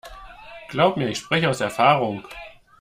Glaub mir, ich spreche aus Erfahrung.